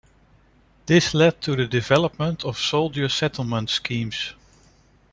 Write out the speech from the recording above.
This led to the development of soldier settlement schemes.